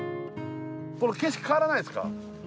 この景色変わらないですか？